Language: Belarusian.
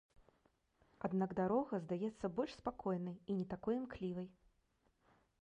Аднак дарога здаецца больш спакойнай і не такой імклівай.